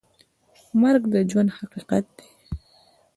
مرګ د ژوند حقیقت دی؟